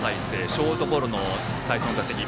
ショートゴロが最初の打席。